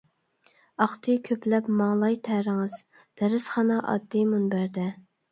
ئاقتى كۆپلەپ ماڭلاي تەرىڭىز، دەرسخانا، ئاددىي مۇنبەردە.